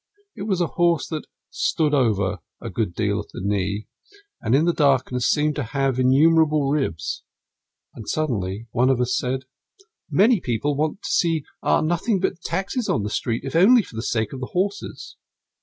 It was a horse that "stood over" a good deal at the knee, and in the darkness seemed to have innumerable ribs. And suddenly one of us said: "Many people want to see nothing but taxis on the streets, if only for the sake of the horses."